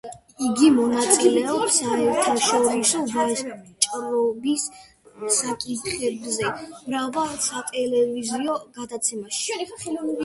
იგი მონაწილეობს საერთაშორისო ვაჭრობის საკითხებზე მრავალ სატელევიზიო გადაცემაში.